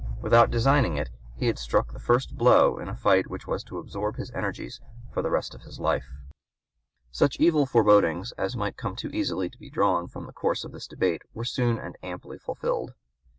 Without designing it he had struck the first blow in a fight which was to absorb his energies for the rest of his life. Such evil forebodings as might too easily be drawn from the course of this debate were soon and amply fulfilled.